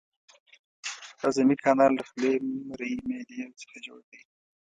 هضمي کانال له خولې، مرۍ، معدې څخه جوړ دی.